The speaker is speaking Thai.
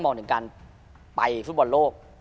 ถึงการไปฟุตบอลโลก